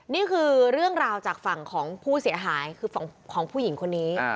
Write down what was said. นี่คือเรื่องราวจากฝั่งของผู้เสียหายคือของผู้หญิงคนนี้